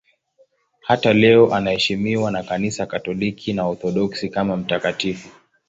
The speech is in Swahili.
Hata leo anaheshimiwa na Kanisa Katoliki na Waorthodoksi kama mtakatifu.